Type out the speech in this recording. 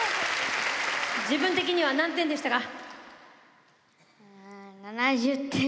自分的には何点でしたか？